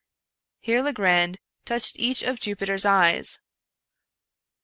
" here Legrand touched each of Jupi ter's eyes.